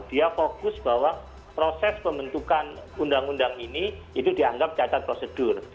dia fokus bahwa proses pembentukan undang undang ini itu dianggap cacat prosedur